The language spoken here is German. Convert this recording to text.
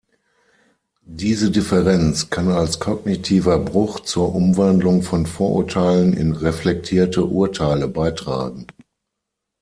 Diese Differenz kann als kognitiver Bruch zur Umwandlung von Vorurteilen in reflektierte Urteile beitragen.